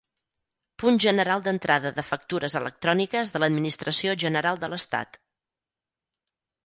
Punt general d'entrada de factures electròniques de l'Administració general de l'Estat.